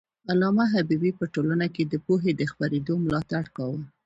علامه حبيبي په ټولنه کي د پوهې د خپرېدو ملاتړ کاوه.